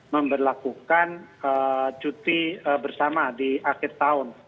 memperlakukan cuti bersama di akhir tahun